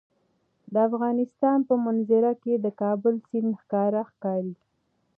د افغانستان په منظره کې د کابل سیند ښکاره ښکاري.